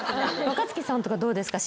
若槻さんとかどうですか？